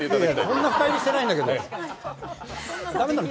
そんな深入りしてないんだけど駄目なの？